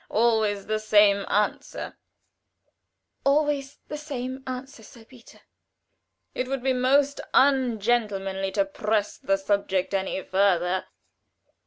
"Always the same answer?" "Always the same, Sir Peter." "It would be most ungentlemanly to press the subject any further."